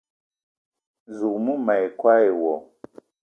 Zouk mou ma yi koo e wo